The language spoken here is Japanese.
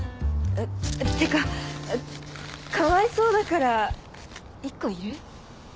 ってかかわいそうだから１個いる？